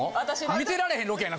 見てられへんロケやな。